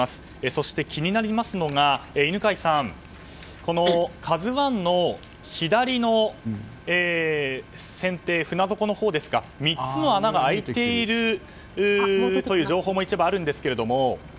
そして、気になりますのが犬飼さん「ＫＡＺＵ１」の左の船底船底のところですか３つの穴が開いているという情報も一部あるんですが。